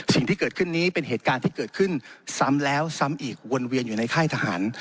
สิ่งที่เกิดขึ้นนี้เป็นเหตุการณ์ที่เกิดขึ้นซ้ำแล้วซ้ำอีกวนเวียนอยู่ในค่ายทหาร